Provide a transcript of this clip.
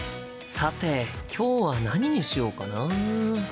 さて今日は何にしようかな？